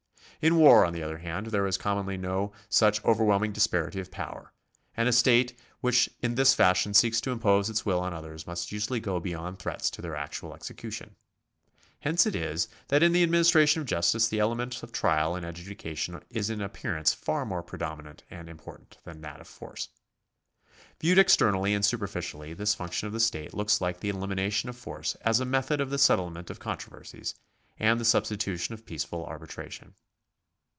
In war, on the other hand, there is commonly no such overwhelming disparity of power, and a state which in this fashion seeks to impose its will on others must usually go beyond threats to their actual execution.' Hence it is, that in the administration of justice the element of trial and adjudication is in appearance far more predomi nant and important than that of force. Viewed externally and superficially, this function of the state looks like the elimination of force as a method of the settlement of con troversies, and the substitution of peaceful arbitration.